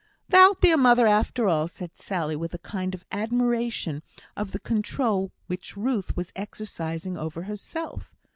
"Thou'lt be a mother, after all," said Sally, with a kind of admiration of the control which Ruth was exercising over herself.